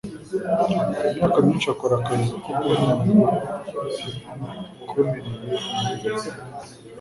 Imyaka myinshi akora akazi ko guhinga yakomereye umubiri we.